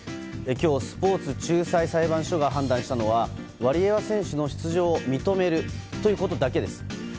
今日、スポーツ仲裁裁判所が判断したのはワリエワ選手の出場を認めるということだけです。